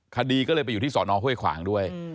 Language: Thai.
คดีก็เลยไปอยู่ที่สอนอห้วยขวางด้วย